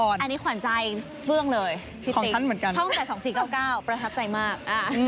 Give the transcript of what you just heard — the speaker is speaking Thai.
อันนี้ขวานใจเฟื้องเลยของท่านเหมือนกันช่องแต่สองสี่เก้าเก้าประทับใจมาก